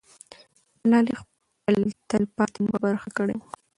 ملالۍ خپل تل پاتې نوم په برخه کړی وو.